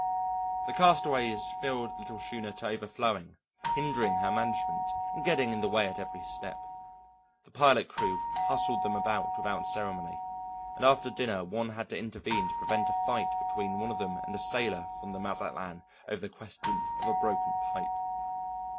The castaways filled the little schooner to overflowing, hindering her management, and getting in the way at every step. The pilot crew hustled them about without ceremony, and after dinner one had to intervene to prevent a fight between one of them and a sailor from the Mazatlan over the question of a broken pipe.